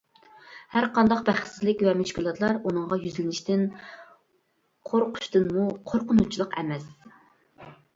ھەرقانداق بەختسىزلىك ۋە مۈشكۈلاتلار ئۇنىڭغا يۈزلىنىشتىن قورقۇشتىنمۇ قورقۇنچلۇق ئەمەس.